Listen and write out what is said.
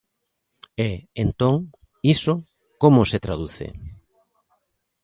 E, entón, ¿iso como se traduce?